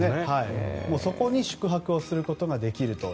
そこに宿泊をすることができると。